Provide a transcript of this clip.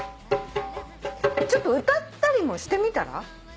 ちょっと歌ったりもしてみたら？